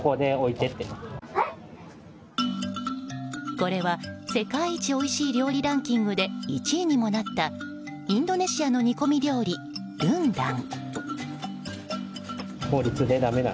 これは世界一おいしい料理ランキングで１位にもなったインドネシアの煮込み料理ルンダン。